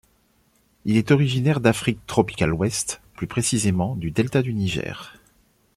Il est originaire d'Afrique tropicale ouest, plus précisément du delta du Niger.